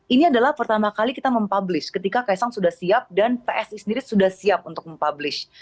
ini adalah pertama kali kita mempublish ketika kaisang sudah siap dan psi sendiri sudah siap untuk mempublish